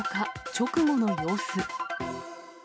直後の様子。